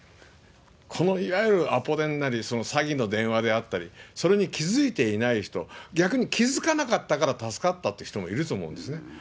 このいわゆるアポ電なり、詐欺の電話であったり、それに気付いていない人、逆に気付かなかったから助かったっていう人もいると思うんですね。